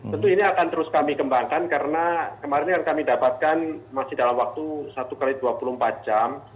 tentu ini akan terus kami kembangkan karena kemarin yang kami dapatkan masih dalam waktu satu x dua puluh empat jam